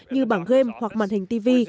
như bảng game hoặc màn hình tv